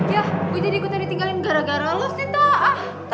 ya gue jadi ikutan ditinggalin gara gara lo sih tata